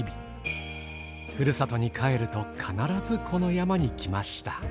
ふるさとに帰ると必ずこの山に来ました。